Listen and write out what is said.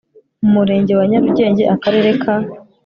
mu Murenge wa Nyarugenge Akarere ka